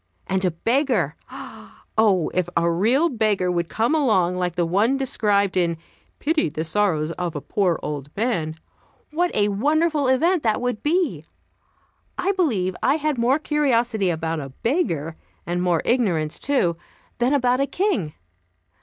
And a beggar! Oh, if a real beggar would come along, like the one described in "Pity the sorrows of a poor old man," what a wonderful event that would be! I believe I had more curiosity about a beggar, and more ignorance, too, than about a king.